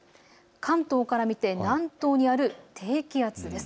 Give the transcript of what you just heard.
関東から見て南東にある低気圧です。